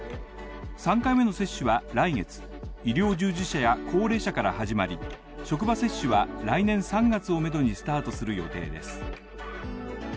３回目の接種は来月、医療従事者や高齢者から始まり、職場接種は来年３月を目処にスタートする予定です。